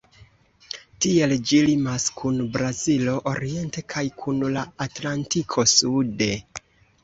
Tiele ĝi limas kun Brazilo oriente kaj kun la Atlantiko sude.